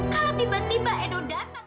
kalau tiba tiba edo datang